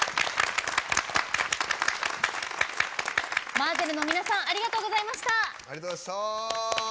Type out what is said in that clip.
ＭＡＺＺＥＬの皆さんありがとうございました。